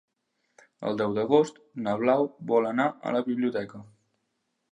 El deu d'agost na Blau vol anar a la biblioteca.